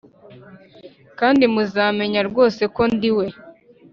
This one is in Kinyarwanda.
kandi muzamenya rwose ko ndi we